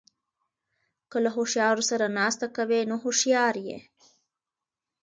که له هوښیارو سره ناسته کوئ؛ نو هوښیار يې.